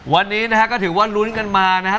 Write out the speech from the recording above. วันนี้นะฮะก็ถือว่าลุ้นกันมานะครับ